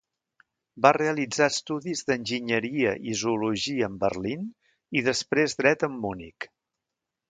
Va realitzar estudis d'enginyeria i zoologia en Berlín i després dret en Munic.